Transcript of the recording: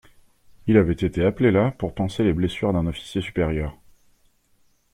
Il avait été appelé là pour panser les blessures d'un officier supérieur.